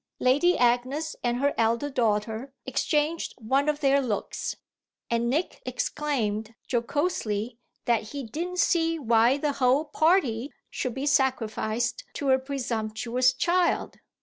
Lady Agnes and her elder daughter exchanged one of their looks, and Nick exclaimed jocosely that he didn't see why the whole party should be sacrificed to a presumptuous child.